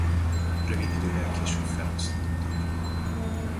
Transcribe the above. Rövid idővel később feloszlottak.